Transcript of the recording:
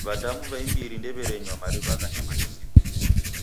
W'adamu w'a imbiri ndew'erenywa mariw'a gha nyamandu zima.